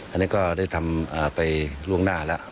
อันนี้ก็ได้ทำไปล่วงหน้าแล้ว